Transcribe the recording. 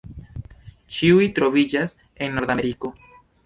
Ĉiuj troviĝas en Nordameriko.